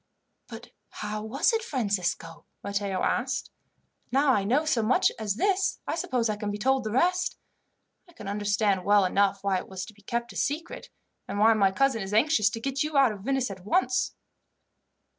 "But how was it, Francisco?" Matteo asked. "Now I know so much as this, I suppose I can be told the rest. I can understand well enough why it was to be kept a secret, and why my cousin is anxious to get you out of Venice at once."